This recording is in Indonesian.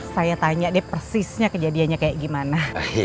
saya tanya deh persisnya kejadiannya kayak gimana